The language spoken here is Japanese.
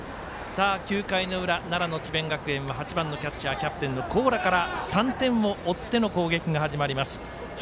９回の裏、奈良の智弁学園は８番、キャッチャーキャプテンの高良から３点を追っての攻撃が始まります。